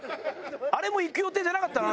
あれも行く予定じゃなかったのよ